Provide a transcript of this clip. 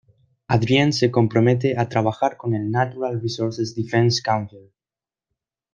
Adrienne se compromete a trabajar con el Natural Resources Defense Council.